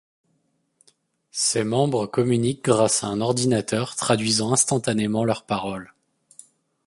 Ses membres communiquent grâce à un ordinateur traduisant instantanément leurs paroles.